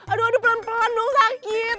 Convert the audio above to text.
aduh aduh pelan pelan dong sakit